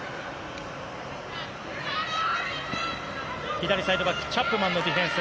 左サイドバックチャップマンのディフェンス。